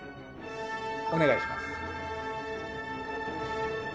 お願いします。